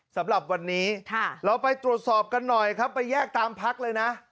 สำหรับวันนี้เราไปตรวจสอบกันหน่อยครับไปแยกตามพักเลยนะ